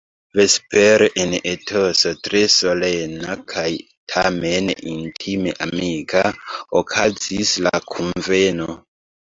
Vespere en etoso tre solena kaj tamen intime amika okazis la kunveno.